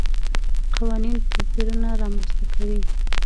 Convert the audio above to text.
قوانین توپیرونه رامنځته کوي.